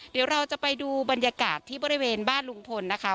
เดี๋ยวเราจะไปดูบรรยากาศที่บริเวณบ้านลุงพลนะคะ